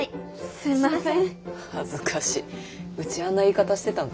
すんません。